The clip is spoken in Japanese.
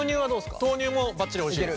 豆乳もばっちりおいしいです。